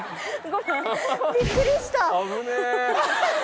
びっくりした。